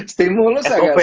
stimulus agak susah